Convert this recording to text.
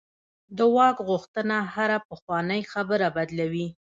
د واک غوښتنه هره پخوانۍ خبره بدلوي.